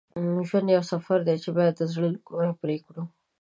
ژوند یو سفر دی چې باید د زړه له کومي پرې کړو.